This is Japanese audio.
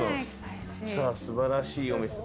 さあ素晴らしいお店。